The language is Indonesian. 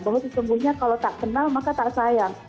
bahwa sesungguhnya kalau tak kenal maka tak sayang